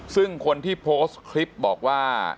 ซึ่งคนที่โพสต์คลิปบอกว่า